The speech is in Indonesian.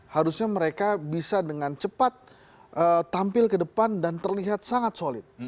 harusnya mereka bisa dengan cepat tampil ke depan dan terlihat sangat solid